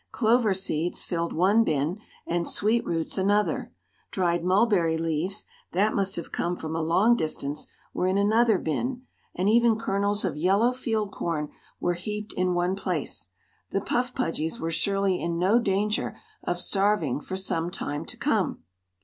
Clover seeds filled one bin, and sweet roots another; dried mulberry leaves that must have come from a long distance were in another bin, and even kernels of yellow field corn were heaped in one place. The Puff Pudgys were surely in no danger of starving for some time to come.